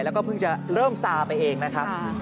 แล้วก็เพิ่งจะเริ่มซาไปเองนะครับ